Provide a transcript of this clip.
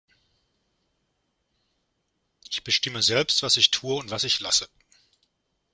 Ich bestimme selbst, was ich tue und was ich lasse.